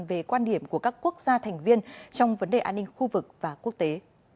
về quan điểm của các quốc gia thành viên trong vấn đề an ninh khu vực và quốc tế